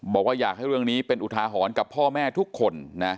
บอกว่าอยากให้เรื่องนี้เป็นอุทาหรณ์กับพ่อแม่ทุกคนนะ